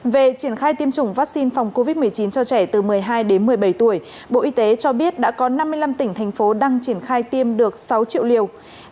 về triển khai tiêm chủng vaccine phòng covid một mươi chín cho trẻ từ một mươi hai đến một mươi bảy tuổi bộ y tế cho biết đã có năm mươi năm tỉnh thành phố đang triển khai tiêm được sáu triệu liều